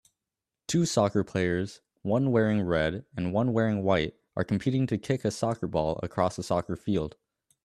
Two soccer players one wearing red and one wearing white are competing to kick a soccer ball across a soccer field